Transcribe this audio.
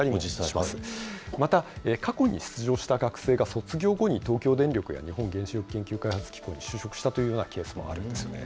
また、過去に出場した学生が卒業後に東京電力や日本原子力研究開発機構に就職したというようなケースもあるんですよね。